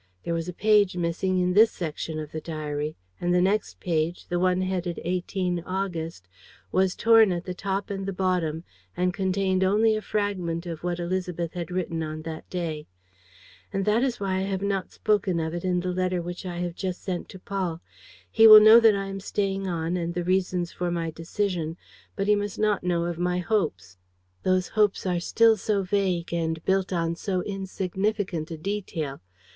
There was a page missing in this section of the diary; and the next page, the one headed 18 August, was torn at the top and the bottom and contained only a fragment of what Élisabeth had written on that day: "... and that is why I have not spoken of it in the letter which I have just sent to Paul. He will know that I am staying on and the reasons for my decision; but he must not know of my hopes. "Those hopes are still so vague and built on so insignificant a detail.